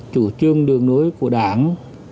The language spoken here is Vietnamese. chủ trương đường đối của đảng